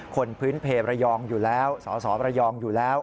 พื้นเพลระยองอยู่แล้วสสระยองอยู่แล้ว